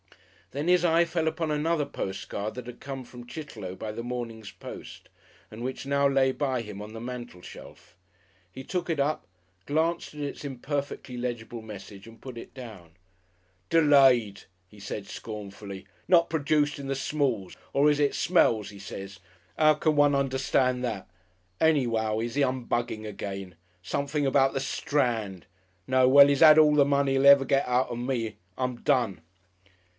Then his eye fell upon another postcard that had come from Chitterlow by the morning's post, and which now lay by him on the mantel shelf. He took it up, glanced at its imperfectly legible message, and put it down. "Delayed!" he said, scornfully. "Not prodooced in the smalls. Or is it smells 'e says? 'Ow can one understand that? Any'ow 'e's 'umbugging again.... Somefing about the Strand. No! Well, 'e's 'ad all the money 'e'll ever get out of me!... I'm done."